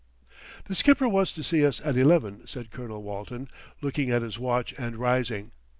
"The Skipper wants to see us at eleven," said Colonel Walton, looking at his watch and rising.